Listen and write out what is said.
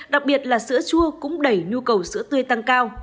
đặc biệt là sữa chua cũng đẩy nhu cầu sữa tươi tăng cao